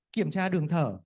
kiểm tra đường thở